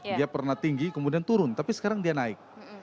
dia pernah tinggi kemudian turun tapi sekarang dia naik